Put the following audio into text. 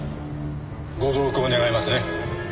ご同行願えますね？